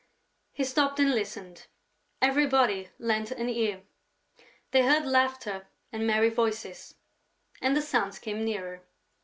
He stopped and listened. Everybody lent an ear. They heard laughter and merry voices; and the sounds came nearer.